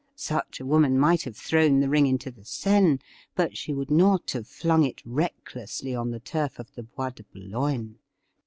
Such a woman might have thrown the ring into the Seine, but she would not have flung it recklessly on the tiu f of the Bois de Boulogne.